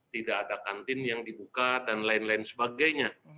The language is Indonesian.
tidak ada kantin yang dibuka dan lain lain sebagainya